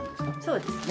そうですね。